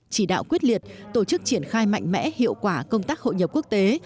chỉ đạo quyết liệt tổ chức triển khai mạnh mẽ hiệu quả công tác hội nhập quốc tế